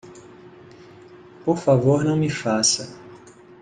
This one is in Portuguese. Por favor não me faça.